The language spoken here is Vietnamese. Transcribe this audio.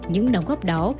những nắm góp đó